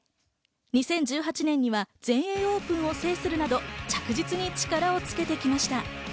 ２０１８年には全英オープンを制するなど、着実に力をつけてきました。